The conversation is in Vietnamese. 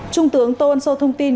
trung tướng tô ân sô thông tin